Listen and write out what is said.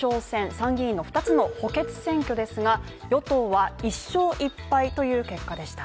参議院の２つの補欠選挙ですが与党は１勝１敗という結果でした。